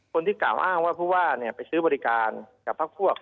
คนที่กล่าวอ้างว่าผู้ว่าไปซื้อบริการกับพักพวก